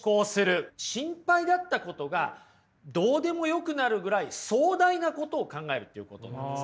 心配だったことがどうでもよくなるぐらい壮大なことを考えるっていうことなんです。